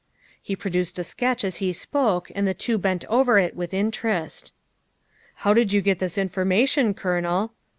'' He produced a sketch as he spoke and the two bent over it with interest. " How did you get this information, Colonel?"